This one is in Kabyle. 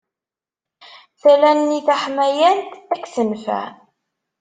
Tala-nni taḥmayant ad k-tenfeɛ.